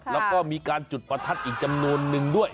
แล้วก็มีการจุดประทัดอีกจำนวนนึงด้วย